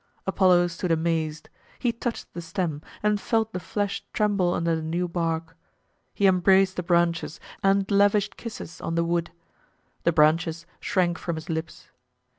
Apollo stood amazed. He touched the stem, and felt the flesh tremble under the new bark. He embraced the branches, and lavished kisses on the wood. The branches shrank from his lips.